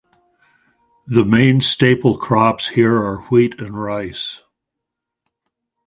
The main staple crops here are wheat and rice.